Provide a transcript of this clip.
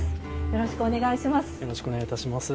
よろしくお願いします。